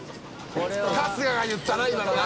春日が言ったな今のな。